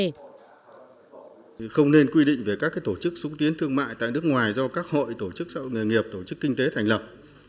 không nên quy định về các tổ chức xúc tiến thương mại tại nước ngoài do các hội tổ chức nghề nghiệp tổ chức kinh tế thành lập